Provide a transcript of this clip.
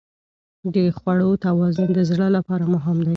د خوړو توازن د زړه لپاره مهم دی.